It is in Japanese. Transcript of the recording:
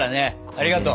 ありがとう！